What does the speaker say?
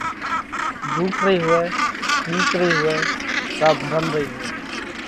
ڀُوک رئِي هوئہ، ٻِيڪ رئِي هوئہ ڪا ڀرم رئِي هوئہ۔